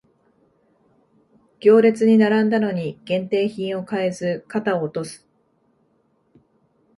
行列に並んだのに限定品を買えず肩を落とす